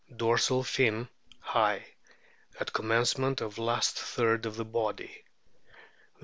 Dorsal fin high at com mencement of last third of body.